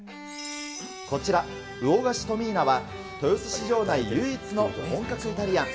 こちら、魚河岸トミーナは、豊洲市場内唯一の本格イタリアン。